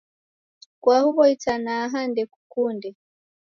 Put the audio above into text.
Kwa huwo itanaha ndekukunde?